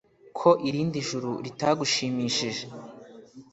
Ko irindi juru ritagushimishije